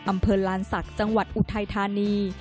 อำเภอลานศักดิ์จังหวัดอุทัยธานี